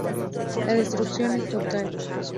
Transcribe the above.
La destrucción es total.